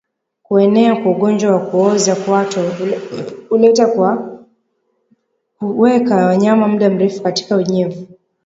Kuenea kwa ugonjwa wa kuoza kwato huletwa kwa kuweka wanyama muda mrefu katika unyevu